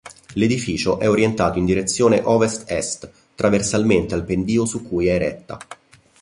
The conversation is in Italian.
L'edificio è orientato in direzione ovest-est, trasversalmente al pendio su cui è eretta.